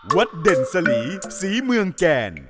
วัดเด่นสลีฮีเมืองแกน